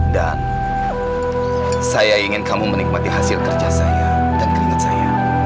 dan saya ingin kamu menikmati hasil kerja saya dan keringat saya